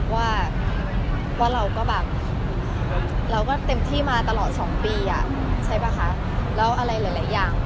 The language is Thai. ว่าเราก็แบบเราก็เต็มที่มาตลอด๒ปีใช่ป่ะคะแล้วอะไรหลายอย่าง